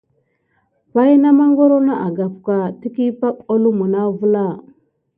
Pay na magoro agamka diki pay holumi kivela.